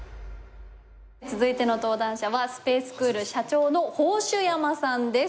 続いての登壇者はスペースクール社長の宝珠山さんです。